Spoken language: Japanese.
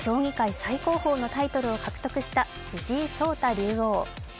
最高峰のタイトルを獲得した藤井聡太竜王。